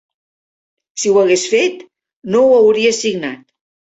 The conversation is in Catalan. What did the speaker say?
Si no ho hagués fet, no ho hauria signat.